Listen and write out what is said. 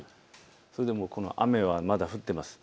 それでもこの雨はまだ降っています。